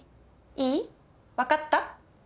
いい？分かった？